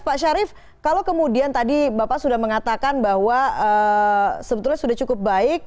pak syarif kalau kemudian tadi bapak sudah mengatakan bahwa sebetulnya sudah cukup baik